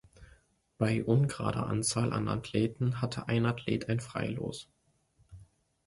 Bei ungerader Anzahl an Athleten hatte ein Athlet ein Freilos.